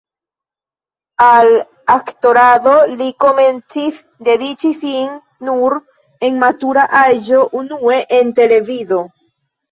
Al aktorado li komencis dediĉi sin nur en la matura aĝo, unue en televido.